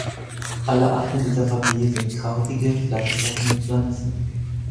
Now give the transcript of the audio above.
Alle Arten dieser Familie sind krautige, fleischfressende Pflanzen.